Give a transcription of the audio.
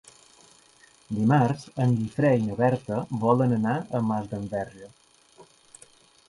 Dimarts en Guifré i na Berta volen anar a Masdenverge.